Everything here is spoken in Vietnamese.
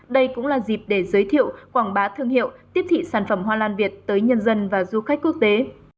đây cũng là dịp để giới thiệu quảng bá thương hiệu tiếp thị sản phẩm hoa lan việt tới nhân dân và du khách quốc tế